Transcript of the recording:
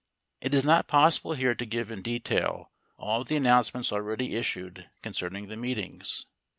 It is not possible here to give in detail all the announcements already issued concerning the meetings.